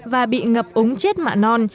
và bị ngập ống chết mạ non